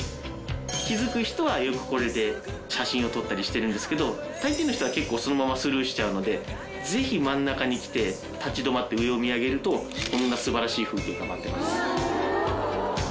気付く人はよくこれで写真を撮ったりしてるんですけど大抵の人は結構そのままスルーしちゃうのでぜひ真ん中に来て立ち止まって上を見上げるとこんな素晴らしい風景が待っています。